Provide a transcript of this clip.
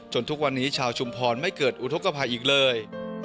ทุกวันนี้ชาวชุมพรไม่เกิดอุทธกภัยอีกเลย